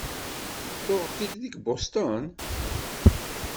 Tuɣeḍ-t-id deg Boston?